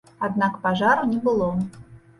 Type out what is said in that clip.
Аднак пажару не было.